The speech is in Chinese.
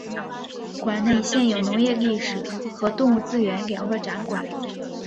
馆内现有农业历史和动物资源两个展馆。